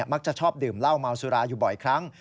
มักจะชอบดื่มเหล้าเมาสุราอยู่บ่อยครั้ง